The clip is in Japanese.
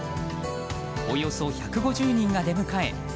およそ１５０人が出迎え